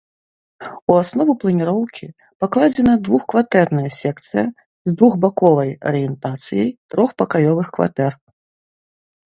У аснову планіроўкі пакладзена двухкватэрная секцыя з двухбаковай арыентацыяй трохпакаёвых кватэр.